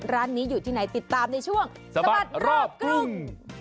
ร้านนี้อยู่ที่ไหนติดตามในช่วงสะบัดรอบกรุง